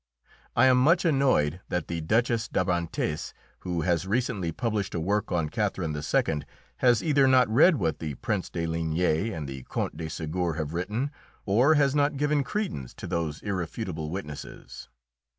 I am much annoyed that the Duchess d'Abrantès, who has recently published a work on Catherine II., has either not read what the Prince de Ligne and the Count de Ségur have written, or has not given credence to those irrefutable witnesses.